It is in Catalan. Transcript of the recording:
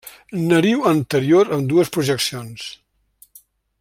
Nariu anterior amb dues projeccions.